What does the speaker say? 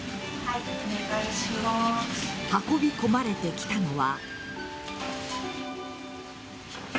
運び込まれてきたのは。